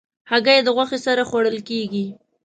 هګۍ د غوښې سره خوړل کېږي.